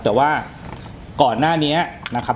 แต่ว่าก่อนหน้านี้นะครับ